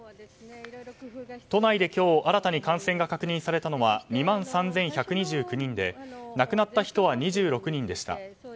都内で今日新たに感染が確認されたのは２万３１２９人で亡くなった人は２６人でした。